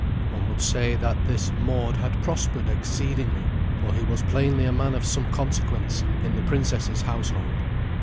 One would say that this Mord had prospered exceedingly, for he was plainly a man of some consequence in the princess's household.